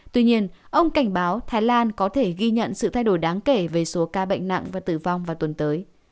tuy nhiên ông cảnh báo thái lan có thể ghi nhận sự thay đổi đáng kể về số ca bệnh nặng và tử vong vào tuần tới